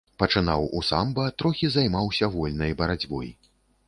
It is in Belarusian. Пачынаў у самба, трохі займаўся вольнай барацьбой.